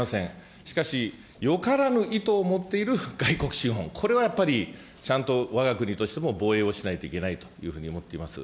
しかし、よからぬ意図を持っている外国資本、これはやっぱりちゃんとわが国としても防衛をしないといけないというふうに思っています。